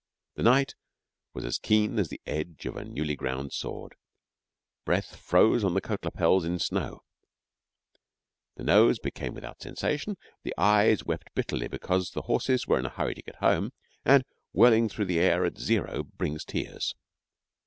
The night was as keen as the edge of a newly ground sword; breath froze on the coat lapels in snow; the nose became without sensation, and the eyes wept bitterly because the horses were in a hurry to get home; and whirling through air at zero brings tears.